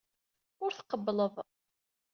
Ur tqebbleḍ.